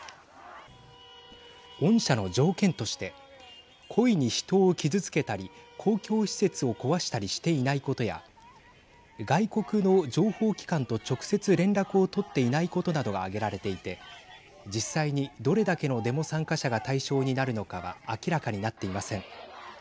恩赦の条件として故意に人を傷つけたり公共施設を壊したりしていないことや外国の情報機関と直接連絡を取っていないことなどが挙げられていて実際に、どれだけのデモ参加者が対象になるのかは明らかになっていません。